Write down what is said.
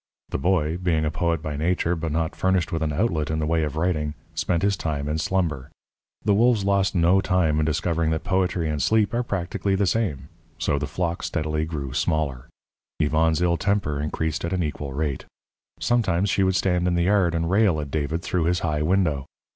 The boy, being a poet by nature, but not furnished with an outlet in the way of writing, spent his time in slumber. The wolves lost no time in discovering that poetry and sleep are practically the same; so the flock steadily grew smaller. Yvonne's ill temper increased at an equal rate. Sometimes she would stand in the yard and rail at David through his high window.